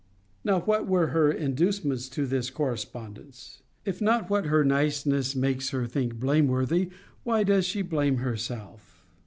'Now, what were her inducements to this correspondence?' If not what her niceness makes her think blameworthy, why does she blame herself?